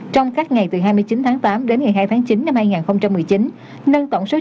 trong các ngày từ hai mươi chín tháng tám đến ngày hai tháng chín năm hai nghìn một mươi chín